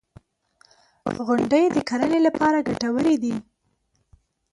• غونډۍ د کرنې لپاره ګټورې دي.